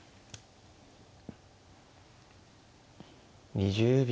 ２０秒。